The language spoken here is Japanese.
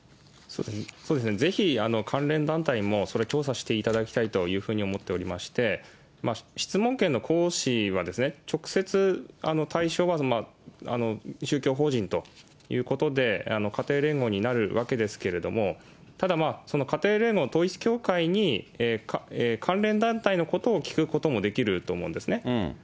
そうですね、ぜひ関連団体も調査していただきたいというふうに思っておりまして、質問権の行使は、直接対象は宗教法人ということで、家庭連合になるわけですけれども、ただその家庭連合、統一教会に関連団体のことを聞くこともできると思うんですね。